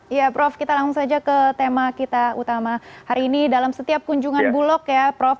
iya prof kita langsung saja ke tema kita utama hari ini dalam setiap kunjungan bulog ya prof